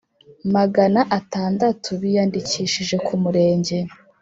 magana atandatu biyandikishije ku murenge